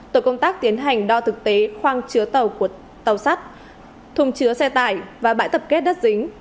tổ công tác tiến hành đo thực tế khoang chứa tàu của tàu sắt thùng chứa xe tải và bãi tập kết đất dính